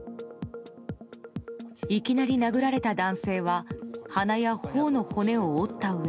いきなり殴られた男性は鼻や頬の骨を折ったうえ